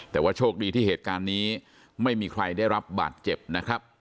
แต่ว่าโชคดีที่เหตุการณ์นี้ไม่มีใครได้รับบาดเจ็บนะครับ